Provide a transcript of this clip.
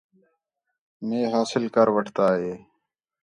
مے حاصل کر وٹھتا ہے